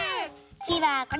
つぎはこれ。